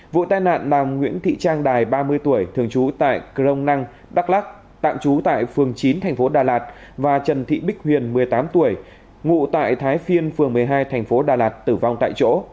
vụ tai nạn là nguyễn thị trang đài ba mươi tuổi thường trú tại cron năng đắk lắc tạm trú tại phường chín tp đà lạt và trần thị bích huyền một mươi tám tuổi ngụ tại thái phiên phường một mươi hai tp đà lạt tử vong tại chỗ